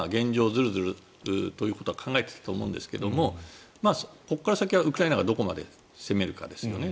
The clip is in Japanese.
ずるずるということは考えていたと思うんですがここから先はウクライナがどこまで攻めるかですよね。